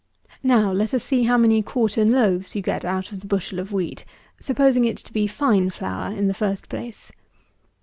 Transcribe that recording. Now, then, let us see how many quartern loaves you get out of the bushel of wheat, supposing it to be fine flour, in the first place.